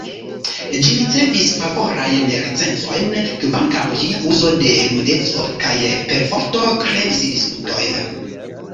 Ĝi ricevis favorajn recenzojn, kvankam ĝia uzo de nudeco kaj perforto kreis disputojn.